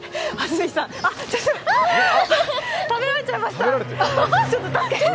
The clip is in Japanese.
食べられちゃいました！